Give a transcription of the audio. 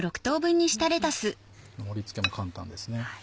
盛り付けも簡単ですね。